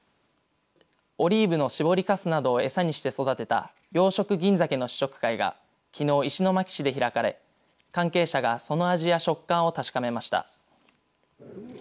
オリーブの搾りかすなどを餌にした養殖銀ざけの試食会がきのう石巻市で開かれ関係者がその味や食感を確かめました。